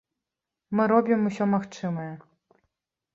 Мы робім усё магчымае!